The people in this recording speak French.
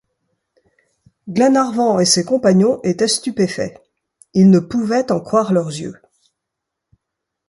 Glenarvan et ses compagnons étaient stupéfaits ; ils ne pouvaient en croire leurs yeux.